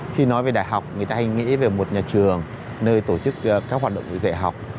khi nói về đại học người ta hay nghĩ về một nhà trường nơi tổ chức các hoạt động về dạy học